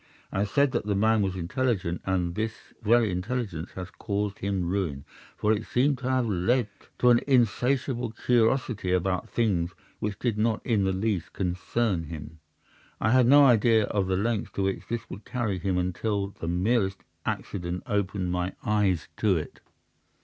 I have said that the man was intelligent, and this very intelligence has caused his ruin, for it seems to have led to an insatiable curiosity about things which did not in the least concern him. I had no idea of the lengths to which this would carry him, until the merest accident opened my eyes to it.